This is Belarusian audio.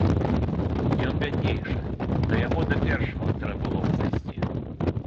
Ён бяднейшы, да яго да першага трэ было б зайсці.